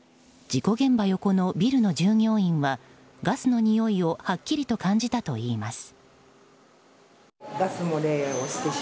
事故現場横のビルの従業員はガスのにおいをはっきりと感じたといいます。